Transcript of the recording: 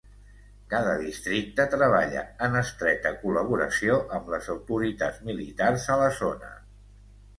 Cada districte treballa en estreta col·laboració amb les autoritats militars a la zona.